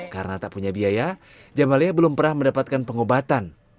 karena tak punya biaya jamalia belum pernah mendapatkan pengobatan